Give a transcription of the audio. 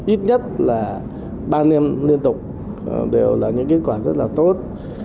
ít nhất là ba năm liên tục đều là những kết quả rất là tốt